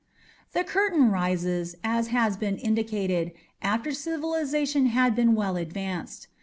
" The curtain rises, as has been indicated, after civilization had been well advanced.